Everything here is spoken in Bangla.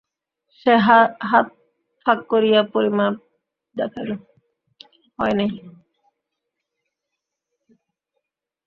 সে হাত ফাক করিয়া পরিমাণ দেখাইল।